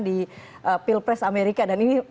di pilpres amerika dan ini